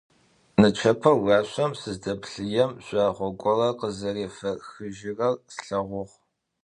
Нычэпэ уашъом сыздэппъыем, жъуагъо горэ къызэрефэхыжьырэр слъэгъугъ.